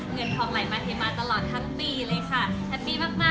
เงินพองหลายมาถึงมาตลอดทางปีเลยค่ะ